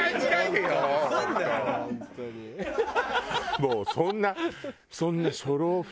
もうそんな。